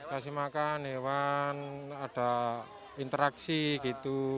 kasih makan hewan ada interaksi gitu